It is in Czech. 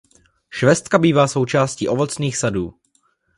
Švestka bývá součástí ovocných sadů.